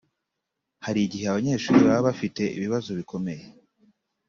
Hari igihe abanyeshuri baba bafite ibibazo bikomeye